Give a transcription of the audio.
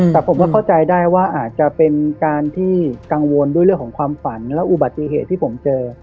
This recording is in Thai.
แต่ผมก็เข้าใจได้ว่าอาจจะเป็นการที่กังวลด้วยเรื่องของความฝันและอุบัติเหตุที่ผมเจอ